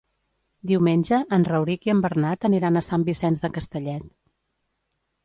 Diumenge en Rauric i en Bernat aniran a Sant Vicenç de Castellet.